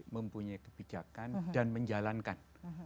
mempunyai kebijakan dan menjalankan